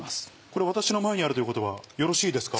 これ私の前にあるということはよろしいですか？